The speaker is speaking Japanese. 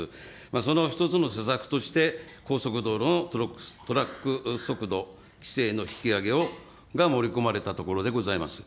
その一つの施策として、高速道路のトラック速度規制の引き上げが盛り込まれたところでございます。